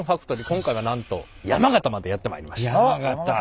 今回はなんと山形までやって参りました。